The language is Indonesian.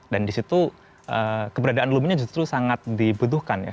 dan disitu keberadaan lumina justru sangat dibutuhkan ya